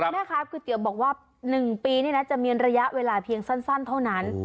ก๋วยเตี๋ยวบอกว่า๑ปีนี่นะจะมีระยะเวลาเพียงสั้นเท่านั้น